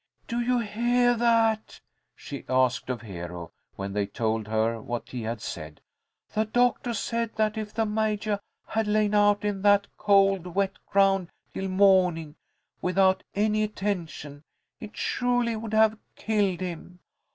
"Do you heah that?" she asked of Hero, when they told her what he had said. "The doctah said that if the Majah had lain out on that cold, wet ground till mawnin', without any attention, it surely would have killed him.